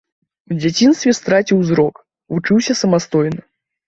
У дзяцінстве страціў зрок, вучыўся самастойна.